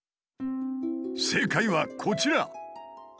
正解はこちら！